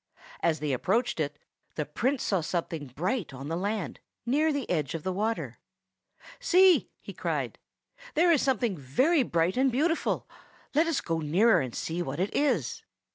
As they approached it, the Prince saw something bright on the land, near the edge of the water. "See!" he cried, "there is something very bright and beautiful. Let us go nearer, and see what it is."